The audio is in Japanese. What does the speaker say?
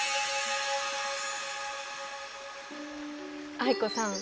藍子さん